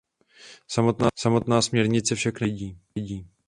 Samotná směrnice však není odpovědí.